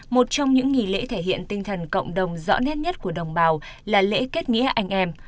một trong những nghỉ lễ thể hiện tinh thần cộng đồng rõ nét nhất của đồng bào là lễ kết nghĩa anh em